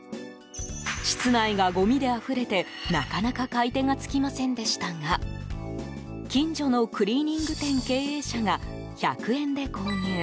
室内が、ごみであふれてなかなか買い手がつきませんでしたが近所のクリニーング店経営者が１００円で購入。